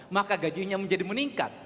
maka gajinya menjadi meningkat